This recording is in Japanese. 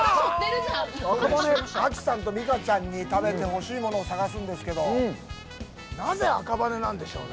亜紀さんと美佳ちゃんに食べてほしいものを探すんですけどなぜ赤羽なんでしょうね。